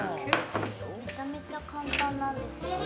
めちゃめちゃ簡単なんですよ。